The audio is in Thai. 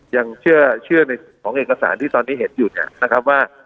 ยังเชื่อในของเอกสารที่ตอนนี้เห็นอยู่เนี่ยนะครับว่า